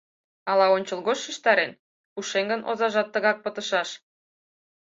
Ала ончылгоч шижтарен: пушеҥгын озажат тыгак пытышаш.